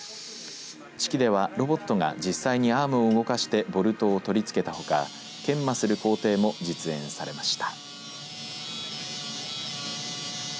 式ではロボットが実際にアームを動かしてボルトを取り付けたほか研磨する工程も実演されました。